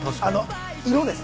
色です。